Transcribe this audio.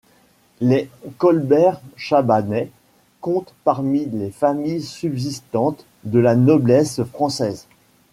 Les Colbert-Chabanais comptent parmi les familles subsistantes de la noblesse française.